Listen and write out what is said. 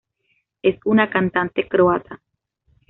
Es una cantante croata.